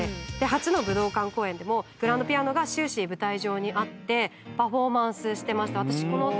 初の武道館公演でもグランドピアノが終始舞台上にあってパフォーマンスしてました。